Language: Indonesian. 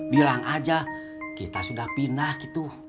bilang aja kita sudah pindah gitu